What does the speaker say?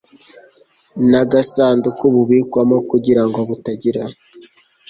n agasanduku bubikwamo kugira ngo butagira